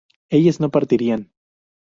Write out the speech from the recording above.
ellas no partirían